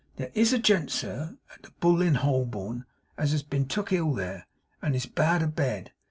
There IS a gent, sir, at the Bull in Holborn, as has been took ill there, and is bad abed.